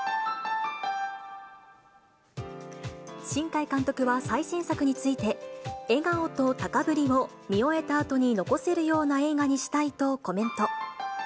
新海監督は最新作について、笑顔と高ぶりを見終えたあとに残せるような映画にしたいとコメント。